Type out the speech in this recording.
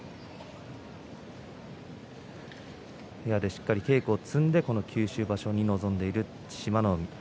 部屋でしっかりと稽古を積んで九州場所に臨んでいる志摩ノ海。